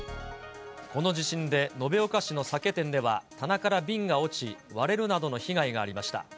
この地震で、延岡市の酒店では、棚から瓶が落ち割れるなどの被害がありました。